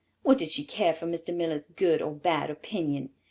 What did she care for Mr. Miller's good or bad opinion?